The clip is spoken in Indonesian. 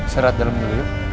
serah di dalam dulu ya